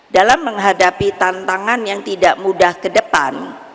dalam menghadapi tantangan yang tidak mudah ke depan